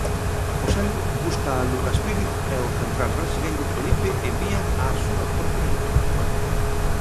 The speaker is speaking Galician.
Joselu busca a Lucas Pérez e o central brasileiro Felipe envía á súa portería.